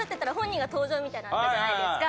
みたいなのあったじゃないですか。